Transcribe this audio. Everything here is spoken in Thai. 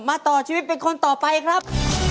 ต่อชีวิตเป็นคนต่อไปครับ